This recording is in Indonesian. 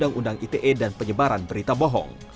diundang ite dan penyebaran berita bohong